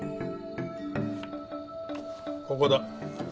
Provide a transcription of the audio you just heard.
ここだ。